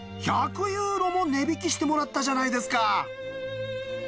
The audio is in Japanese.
１００ユーロも値引きしてもらったじゃないですか。